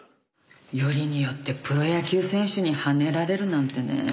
よりによってプロ野球選手にはねられるなんてねえ。